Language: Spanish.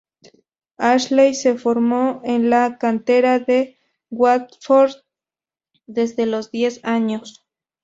Ashley se formó en la cantera del Watford desde los diez años.